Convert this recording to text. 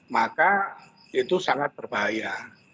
maka itu sangat berbahaya